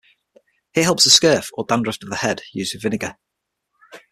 It helps the scurf or dandruff of the head used with vinegar.